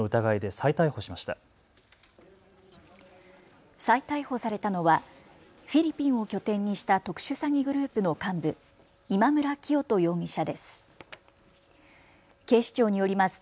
再逮捕されたのはフィリピンを拠点にした特殊詐欺グループの幹部、今村磨人容疑者です。